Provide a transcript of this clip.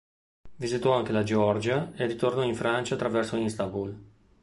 Visitò anche la Georgia e ritornò in Francia attraverso Istanbul.